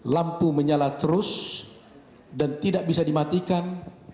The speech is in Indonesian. lampu menyala terus dan tidak bisa dimatikan